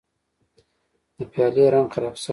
د پیالې رنګ خراب شوی و.